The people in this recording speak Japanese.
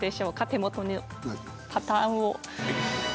手元のパターンを。